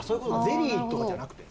ゼリーとかじゃなくて？